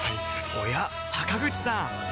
おや坂口さん